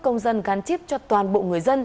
công dân gắn chíp cho toàn bộ người dân